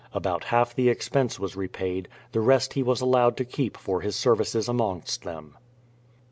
About half the expense was repaid, the rest he was allowed to keep for his services amongst them.